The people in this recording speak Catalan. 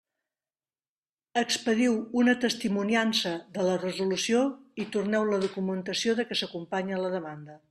Expediu una testimoniança de la resolució i torneu la documentació de què s'acompanya la demanda.